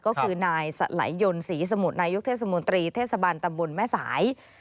ก็คือนายสไหลยนต์ศรีสมุทรนายกเทศมนตรีเทศบาลตำบลแม่สาย